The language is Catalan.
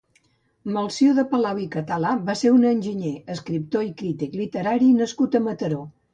Melcior de Palau i Català va ser un enginyer, escriptor i crític literari nascut a Mataró.